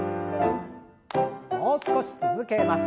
もう少し続けます。